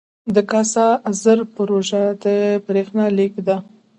د کاسا زر پروژه د بریښنا لیږد ده